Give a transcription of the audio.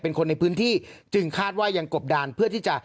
เป็นคนในพื้นที่จึงคาดว่ายังกบดานเพื่อที่จะ